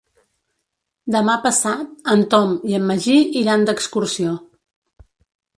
Demà passat en Tom i en Magí iran d'excursió.